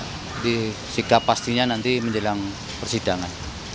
jadi jika pastinya nanti menjelang persidangan